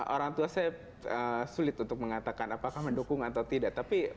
orang tua saya sulit untuk mengatakan apakah mendukung atau tidak